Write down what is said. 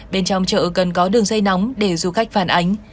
bên trong chợ cần có đường dây nóng để du khách phản ánh